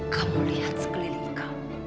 kamu lihat sekeliling kamu